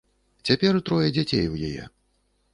Цяпер трое дзяцей у яе.